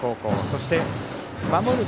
そして、守る